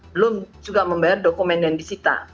belum juga membayar dokumen yang disita